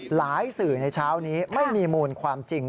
สื่อในเช้านี้ไม่มีมูลความจริง